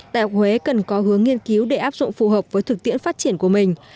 đại học huế cần có hướng nghiên cứu để áp dụng phù hợp với thực tiễn phát triển của mình